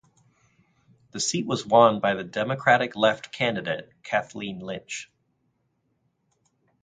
The seat was won by the Democratic Left candidate Kathleen Lynch.